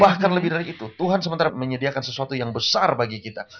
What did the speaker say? bahkan lebih dari itu tuhan sementara menyediakan sesuatu yang besar bagi kita